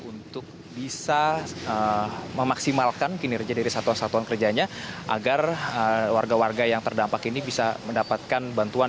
untuk bisa memaksimalkan kinerja dari satuan satuan kerjanya agar warga warga yang terdampak ini bisa mendapatkan bantuan